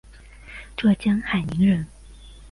浙江海宁人。